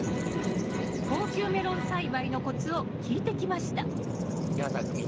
高級メロン栽培のコツを聞いてきましたやあたくみ。